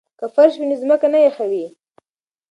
که فرش وي نو ځمکه نه یخوي.